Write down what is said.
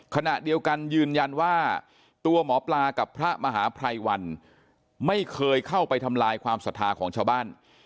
ขณะเดียวกันยืนยันว่าตัวหมอปลากับพระมหาภัยวันไม่เคยเข้าไปทำลายความศรัทธาของชาวบ้าน